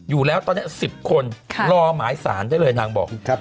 อยู่แล้วตอนนี้๑๐คนรอหมายสารได้เลยนางบอก